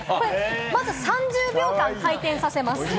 まず３０秒間、回転させます。